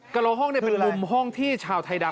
กระล้อห้องนี่เป็นลุมห้องที่ชาวไทยดำ